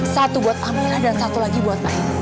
satu buat amira dan satu lagi buat aini